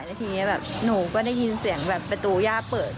แล้วทีนี้แบบหนูก็ได้ยินเสียงแบบประตูย่าเปิด